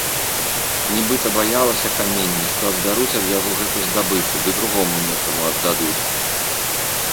Нібыта баялася каменне, што адбяруць ад яго гэту здабычу ды другому некаму аддадуць.